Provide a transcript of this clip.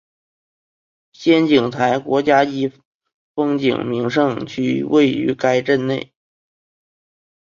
仙景台国家级风景名胜区位于该镇内。